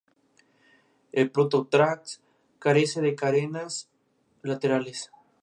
De clase acomodada.